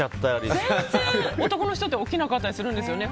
全然男の人って起きなかったりするんですよね。